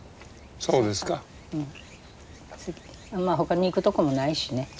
まあほかに行くとこもないしね。